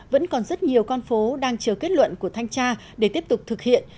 vẫn còn rất nhiều con phố đang chờ kết luận của thanh tra để tiếp tục thực hiện